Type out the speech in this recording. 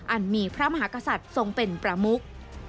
อันมีพระมหากษัตริย์ทรงเป็นประมุก